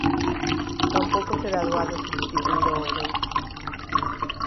Tampouco será doado substituír o obreiro.